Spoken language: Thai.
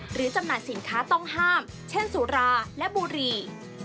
จำหน่ายสินค้าต้องห้ามเช่นสุราและบุรี